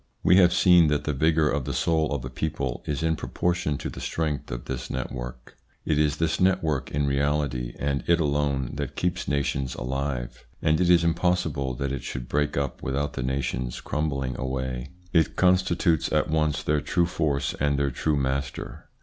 We have seen that the vigour of the soul of a people is in proportion to the strength of this network. It is this network in reality, and it alone, that keeps nations alive, and it is impossible that it should break up without the nations crumbling away. It consti tutes at once their true force and their true master.